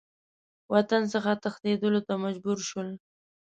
وطن څخه تښتېدلو ته مجبور شول.